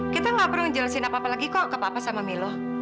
kita gak perlu ngejelasin apa apa lagi kok ke papa sama milo